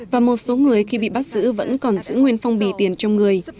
và một số người khi bị bắt giữ vẫn còn giữ nguyên phong bì tiền trong người